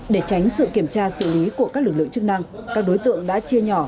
để tránh sự kiểm tra xử lý của các lực lượng chức năng các đối tượng đã chia nhỏ